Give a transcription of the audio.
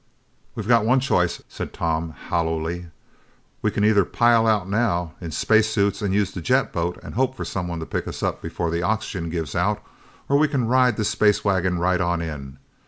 "We've got one choice," said Tom hollowly. "We can either pile out now, in space suits and use the jet boat, and hope for someone to pick us up before the oxygen gives out, or we can ride this space wagon right on in.